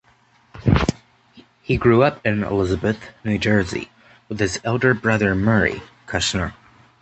He grew up in Elizabeth, New Jersey, with his elder brother Murray Kushner.